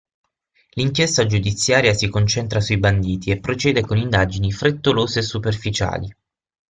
L'inchiesta giudiziaria si concentra sui banditi e procede con indagini frettolose e superficiali.